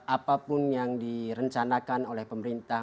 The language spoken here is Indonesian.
apapun yang direncanakan oleh pemerintah